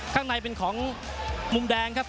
ข้างในเป็นของมุมแดงครับ